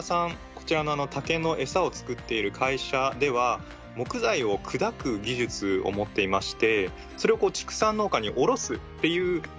こちらの竹のエサを作っている会社では木材を砕く技術を持っていましてそれを畜産農家に卸すっていう商売をしてたんですね。